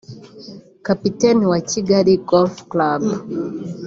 Kapiteni wa Kigali Golf Club